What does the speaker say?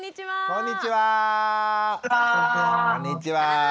こんにちは。